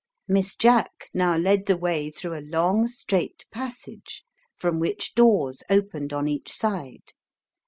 Miss Jack now led the way through a long straight passage, from which doors opened on each side.